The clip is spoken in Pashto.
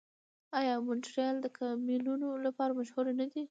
آیا مونټریال د ګیمونو لپاره مشهور نه دی؟